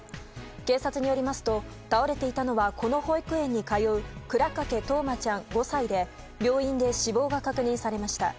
警察によりますと倒れていたのはこの保育園に通う倉掛冬生ちゃん、５歳で病院で死亡が確認されました。